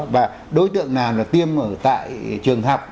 và đối tượng nào là tiêm ở tại trường học